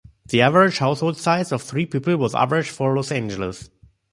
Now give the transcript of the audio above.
The average household size of three people was average for Los Angeles.